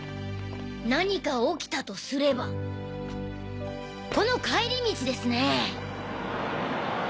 何か起きたとすればこの帰り道ですね！